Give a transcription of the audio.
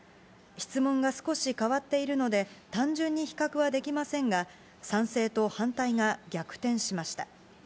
質問が少し変わっているので、単純に比較はできませんが、賛成と反対が逆転しました。